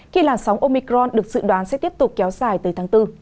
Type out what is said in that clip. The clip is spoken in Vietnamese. khi làn sóng omicron được dự đoán sẽ tiếp tục kéo dài tới tháng bốn